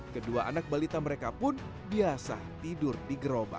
kedua anak balita mereka pun biasa tidur di gerobak